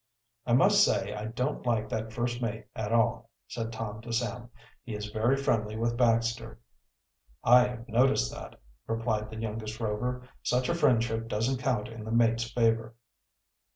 "I must say I don't like that first mate at all," said Tom to Sam. "He is very friendly with Baxter." "I have noticed that," replied the youngest Rover. "Such a friendship doesn't count in the mate's favor."